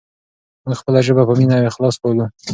موږ خپله ژبه په مینه او اخلاص پالو.